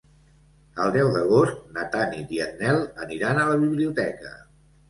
El deu d'agost na Tanit i en Nel aniran a la biblioteca.